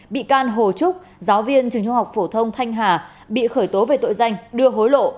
bị can hồ trúc giáo viên trường trung học phổ thông thanh hà bị khởi tố về tội danh đưa hối lộ